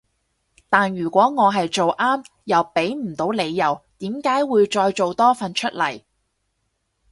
但如果我係做啱又畀唔到理由點解會再做多份出嚟